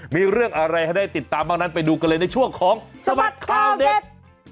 มีเรื่องอะไรให้ได้ติดตามบ้างนั้นไปดูกันเลยในช่วงของสบัดข่าวเด็ด